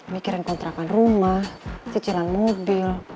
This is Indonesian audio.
mikirin kontrakan rumah cicilan mobil